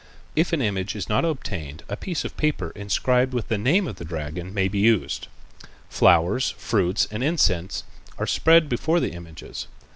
If an image is not obtainable a piece of paper inscribed with the name of the dragon may be used. Flowers, fruits and incense are spread before the images.